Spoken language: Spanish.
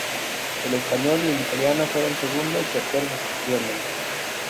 El español y le italiano fueron segundo y tercero respectivamente.